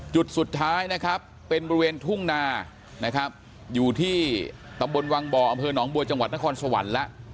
จุดสุดท้ายนะครับเป็นบริเวณทุ่งนานะครับอยู่ที่ตำบลวังบ่ออำเภอหนองบัวจังหวัดนครสวรรค์แล้ว